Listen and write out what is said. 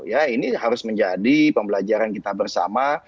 ya ini harus menjadi pembelajaran kita bersama